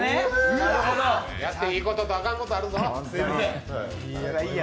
やっていいこととあかんことがあるぞ。